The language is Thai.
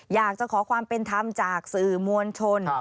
อยากจะขอความเป็นธรรมจากสื่อมวลชน